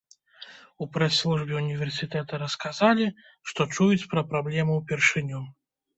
У прэс-службе ўніверсітэта расказалі, што чуюць пра праблему ўпершыню.